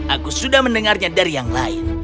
aku sudah mendengarnya dari yang lain